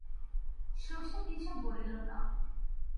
শশী কিছু বলিল না।